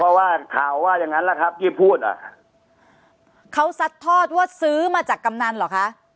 เพราะว่าข่าวว่าอย่างนั้นแหละครับที่พูดอ่ะเขาซัดทอดว่าซื้อมาจากกำนันเหรอคะ